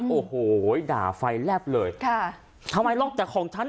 โอ้โหด่าไฟแลบเลยค่ะทำไมล็อกแต่ของฉัน